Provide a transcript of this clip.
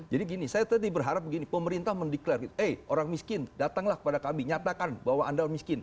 jadi gini saya tadi berharap pemerintah mendeklarasi eh orang miskin datanglah kepada kami nyatakan bahwa anda miskin